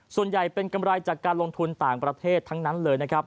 ส่วนใหญ่เป็นกำไรจากการลงทุนต่างประเทศทั้งนั้นเลยนะครับ